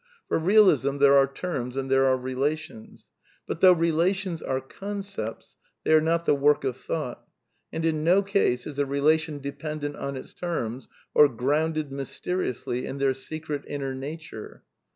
For Eealism there are terms and there are relations. But, though rela tions are concepts, they are not "the work of thought." And in no case is a relation dependent on its terms, or grounded mysteriously in their secret inner nature.